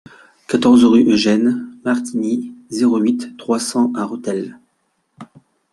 quatorze rue Eugène Marquigny, zéro huit, trois cents à Rethel